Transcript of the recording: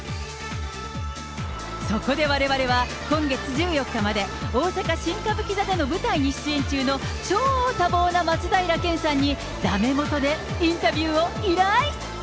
そこでわれわれは、今月１４日まで、大阪新歌舞伎座での舞台に出演中の超多忙な松平健さんにだめもとでインタビューを依頼。